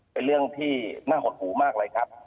เป็นเรื่องที่น่าหดหูมากเลยครับ